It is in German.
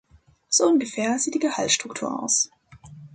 So ungefähr sieht die Gehaltsstruktur aus.